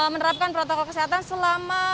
menerapkan protokol kesehatan selama